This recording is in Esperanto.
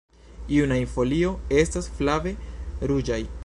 Junaj folio estas flave ruĝaj.